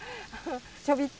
ちょびっと。